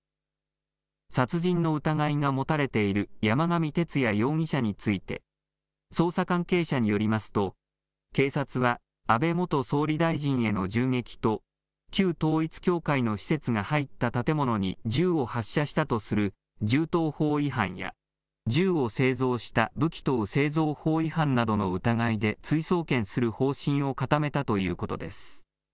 殺人の疑いが持たれている山上徹也容疑者について、捜査関係者によりますと、警察は安倍元総理大臣への銃撃と、旧統一教会の施設が入った建物に銃を発射したとする銃刀法違反や、銃を製造した武器等製造法違反などの疑いで追送検する方針を固めたということです。